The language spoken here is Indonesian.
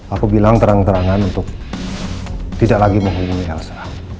aku bilang terang terangan untuk tidak lagi menghubungi elsa